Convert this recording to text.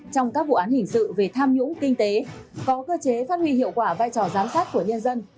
trong các vụ án hình sự về tham nhũng kinh tế có cơ chế phát huy hiệu quả vai trò giám sát của nhân dân